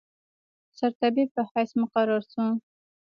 سرطبیب په حیث مقرر شو.